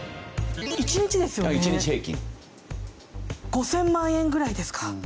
５０００万円ぐらいですか？